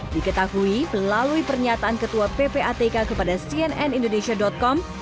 diketahui melalui pernyataan ketua ppatk kepada cnnindonesia com